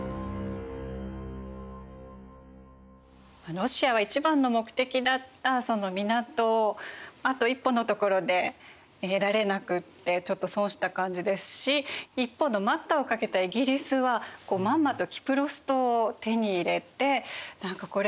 ロシアは一番の目的だったその港をあと一歩のところで得られなくってちょっと損した感じですし一方の待ったをかけたイギリスはまんまとキプロス島を手に入れて何かこれ